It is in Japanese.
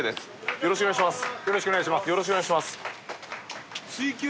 よろしくお願いします。